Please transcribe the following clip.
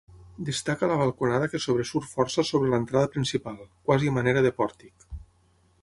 Destaca la balconada que sobresurt força sobre l'entrada principal, quasi a manera de pòrtic.